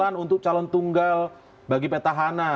jalan untuk calon tunggal bagi peta hana